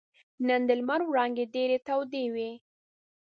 نن د لمر وړانګې ډېرې تودې وې.